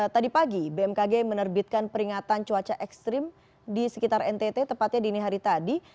tadi pagi bmkg menerbitkan peringatan cuaca ekstrim di sekitar ntt tepatnya dini hari tadi